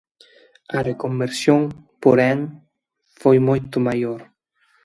A 'reconversión', porén, foi moito maior.